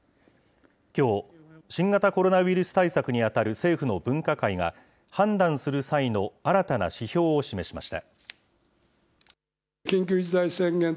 きょう、新型コロナウイルス対策に当たる政府の分科会が、判断する際の新たな指標を示しました。